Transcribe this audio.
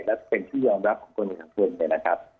และเป็นที่ยอมรับของคนของคุณ